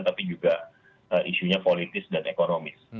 tapi juga isunya politis dan ekonomis